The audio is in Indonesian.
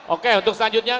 oke untuk selanjutnya